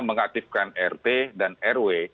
mengaktifkan rt dan rw